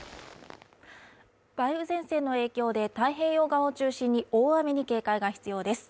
梅雨前線の影響で太平洋側を中心に大雨に警戒が必要です。